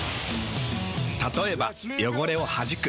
たとえば汚れをはじく。